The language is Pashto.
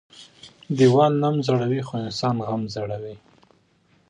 ديوال نم زړوى خو انسان غم زړوى.